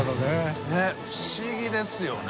佑不思議ですよね。